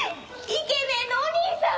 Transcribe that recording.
イケメンのお兄さん！